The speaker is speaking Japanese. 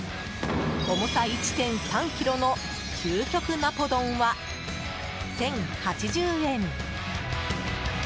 重さ１．３ｋｇの究極ナポ丼は１０８０円。